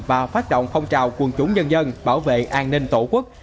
và phát động phong trào quân chúng nhân dân bảo vệ an ninh tổ quốc